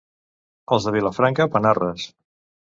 Els de Vilafranca, panarres.